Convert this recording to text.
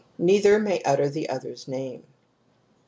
Neither may utter the other's name i®.